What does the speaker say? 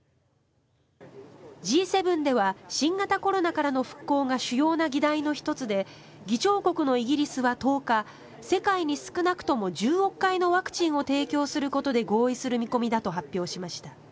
Ｇ７では新型コロナからの復興が主要な議題の１つで議長国のイギリスは１０日世界に少なくとも１０億回のワクチンを提供することで合意する見込みだと発表しました。